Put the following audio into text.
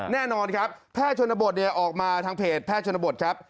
แน่นอนครับแพทย์ชนบทออกมาทางเพจแพทย์ชนบทครับ